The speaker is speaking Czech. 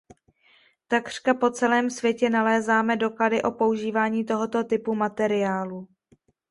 Takřka po celém světě nalézáme doklady o používání tohoto typu materiálu.